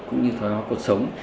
cũng như thói hóa cuộc sống